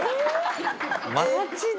マジで？